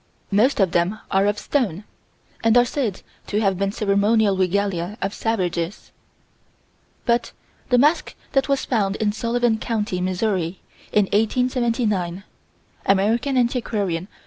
Most of them are of stone, and are said to have been ceremonial regalia of savages But the mask that was found in Sullivan County, Missouri, in 1879 (American Antiquarian, 3 336).